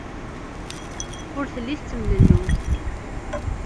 Ur telli tettemlelluy.